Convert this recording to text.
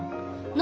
何？